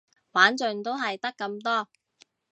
玩盡都係得咁多